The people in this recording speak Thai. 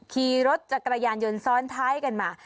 ขี่รถจากกระยานเยินซ้อนท้ายกันมา